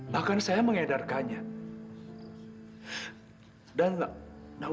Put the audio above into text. bahkan saya mengedarkannya